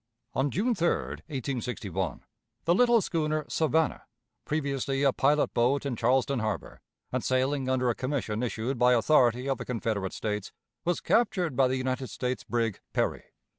On June 3, 1861, the little schooner Savannah, previously a pilot boat in Charleston Harbor and sailing under a commission issued by authority of the Confederate States, was captured by the United States brig Perry.